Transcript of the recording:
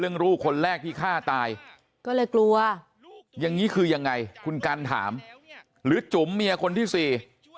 ลูกคนแรกที่ฆ่าตายก็เลยกลัวอย่างงี้คือยังไงคุณกันถามหรือจุ๋มเมียคนที่สี่